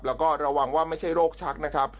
แล้วก็ระวังว่าไม่ใช่โรคชักนะครับ